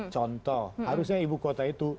contoh harusnya ibu kota itu